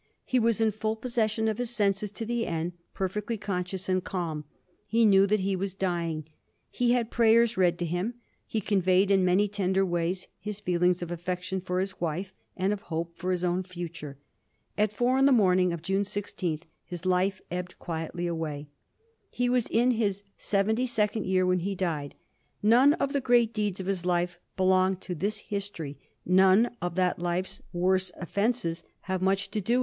He was in full possession of his senses to the end, per fectly conscious and calm. He knew that he was dying ; he had prayers read to him ; he conveyed in many tender ways his feelings of affection for his wife, and of hope for his own future. At four in the morn ing of June 16 his life ebbed quietly away. He was in his seventy second year when he died. None of the great deeds of his life belong to this history ; none of tljat life's worst offences have much to do with it.